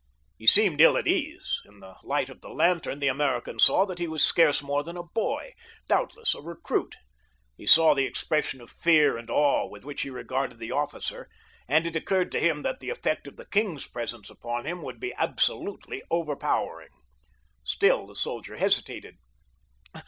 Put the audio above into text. He seemed ill at ease. In the light of the lantern, the American saw that he was scarce more than a boy—doubtless a recruit. He saw the expression of fear and awe with which he regarded the officer, and it occurred to him that the effect of the king's presence upon him would be absolutely overpowering. Still the soldier hesitated.